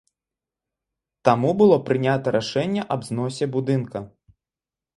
Таму было прынята рашэнне аб зносе будынка.